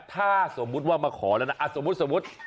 ถ้าสมมุติว่ามาขอแล้วนะสมมุติ